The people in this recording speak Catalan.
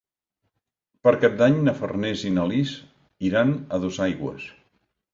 Per Cap d'Any na Farners i na Lis iran a Dosaigües.